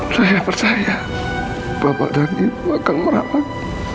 saya percaya bapak dan ibu akan merapat